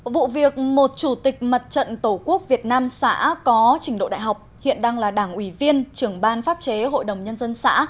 vụ việc một chủ tịch mật trận tổ quốc việt nam xã có trình độ đại học hiện đang là đảng ủy viên trưởng ban pháp chế hội đồng nhân dân xã